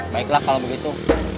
baiklah kalau begitu